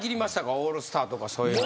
オールスターとかそういうのは。